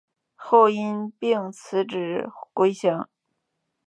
后因病辞职归乡。